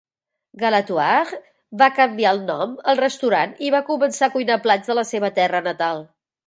Galatoire va canviar el nom al restaurant i va començar a cuinar plats de la seva terra natal.